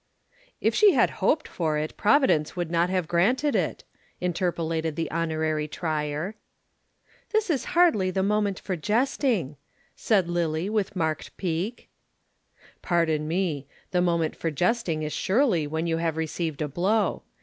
"If she had hoped for it, Providence would not have granted it," interpolated the Honorary Trier. "This is hardly the moment for jesting," said Lillie, with marked pique. "Pardon me. The moment for jesting is surely when you have received a blow.